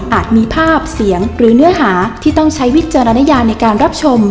มีภาพเสียงหรือเนื้อหาที่ต้องใช้วิจารณญาในการรับชม